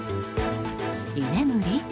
居眠り？